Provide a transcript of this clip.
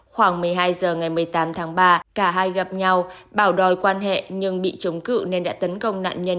khoảng một mươi hai h ngày một mươi tám tháng ba cả hai gặp nhau bảo đòi quan hệ nhưng bị chống cự nên đã tấn công nạn nhân